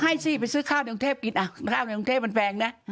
ให้สิไปซื้อข้าวในกรุงเทพกินข้าวในกรุงเทพมันแพงนะ